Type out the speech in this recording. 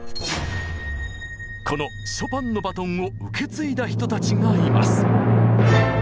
このショパンのバトンを受け継いだ人たちがいます。